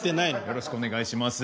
よろしくお願いします。